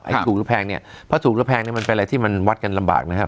ถูกหรือแพงเนี่ยเพราะถูกหรือแพงเนี่ยมันเป็นอะไรที่มันวัดกันลำบากนะครับ